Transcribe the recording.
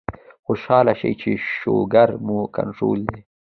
خوشاله شئ چې شوګر مو کنټرول دے